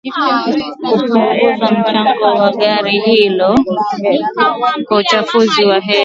Kupunguza mchango wa gari hilo kwa uchafuzi wa hewa